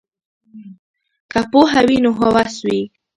که پوهه وي نو هوس وي.